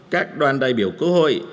các đoàn đại biểu quốc hội